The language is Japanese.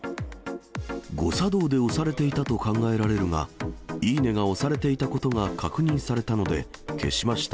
誤作動で押されていたと考えられるが、いいねが押されていたことが確認されたので、消しました。